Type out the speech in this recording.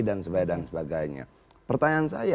dan sebagainya pertanyaan saya